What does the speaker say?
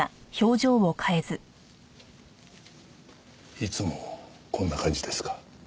いつもこんな感じですか？